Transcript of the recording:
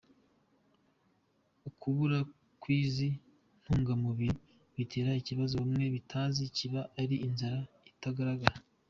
Ukubura kw’izi ntungamubiri bitera ikibazo bamwe bitazi kiba ari inzara itagaragara.